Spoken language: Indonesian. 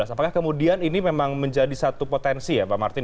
apakah kemudian ini memang menjadi satu potensi ya pak martin